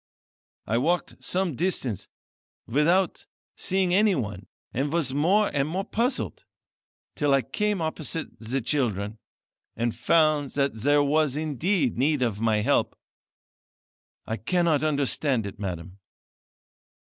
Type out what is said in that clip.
I walked some distance without seeing anyone, and was more and more puzzled, till I came opposite the children, and found that there was indeed need of my help. I cannot understand it, madam."